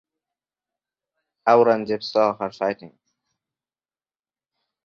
Aurangzeb saw her fighting.